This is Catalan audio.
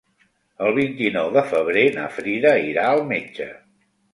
El vint-i-nou de febrer na Frida irà al metge.